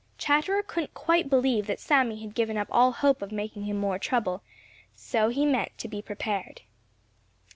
Chatterer couldn't quite believe that Sammy had given up all hope of making him more trouble, so he meant to be prepared.